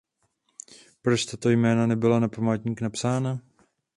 Proč tato jména nebyla na památník napsána?